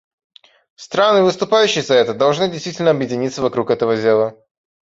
Страны, выступающие за это, должны действительно объединиться вокруг этого дела.